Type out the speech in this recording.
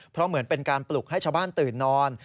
เพราะเหมือนเป็นการปลุกให้ชาวบ้านตื่นนอน